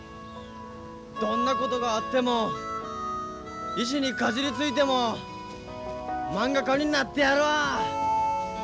どんなことがあっても石にかじりついてもまんが家になってやるわ！